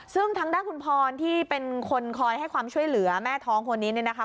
ซึ่งทั้งคุณพรที่เป็นคนคอยให้ความช่วยเหลือแม่ท้องคนนี้เนี่ยนะค่ะ